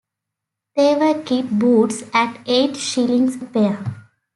They were kid boots at eight shillings a pair.